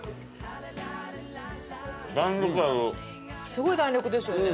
すごい弾力ですよね。